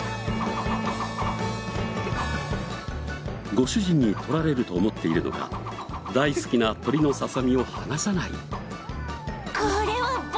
ご主人に取られると思っているのか大好きな鳥のささみを離さない。